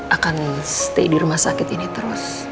akan stay di rumah sakit ini terus